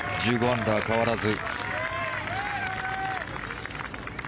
１５アンダー、変わらず。